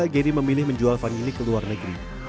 geri mencari jualan vanili ke luar negeri